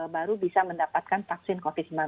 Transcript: baru bisa mendapatkan vaksin covid sembilan belas